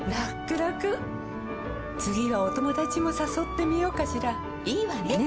らくらくはお友達もさそってみようかしらいいわね！